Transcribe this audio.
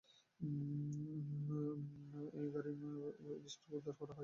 এই বাড়ি থেকে প্রচুর বিস্ফোরক উদ্ধার হয়।